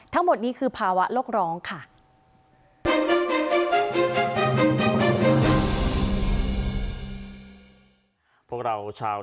ทั้งหมดนี้คือภาวะโลกร้องค่ะ